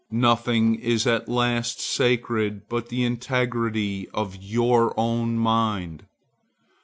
Nothing is at last sacred but the integrity of your own mind.